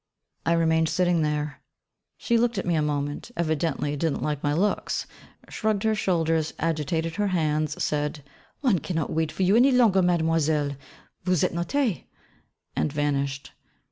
I remained sitting there. She looked at me a moment; evidently didn't like my looks; shrugged her shoulders, agitated her hands, said 'One cannot wait for you any longer mademoiselle, vous êtes notée,' and vanished.